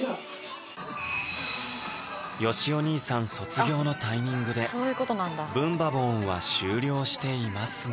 よしお兄さん卒業のタイミングで「ブンバ・ボーン！」は終了していますが